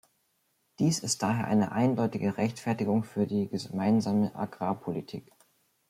Dies ist daher eine eindeutige Rechtfertigung für die gemeinsame Agrarpolitik.